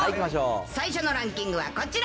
最初のランキングはこちら。